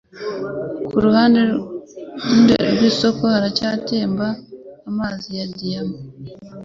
Kuruhande rw'isoko, iracyatemba amazi ya diyama,